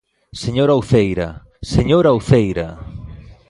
Señora Uceira, ¡señora Uceira!